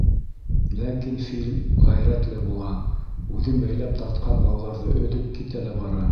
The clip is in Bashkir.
— Ләкин фил ғәйрәтле була, үҙен бәйләп тартҡан бауҙарҙы өҙөп, китә лә бара.